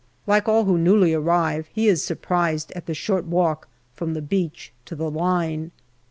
Like all who newly arrive, he is surprised at the short walk from the beach to the line.